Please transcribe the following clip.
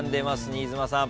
新妻さん。